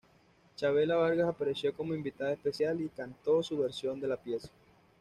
Chavela Vargas apareció como invitada especial, y cantó su versión de la pieza.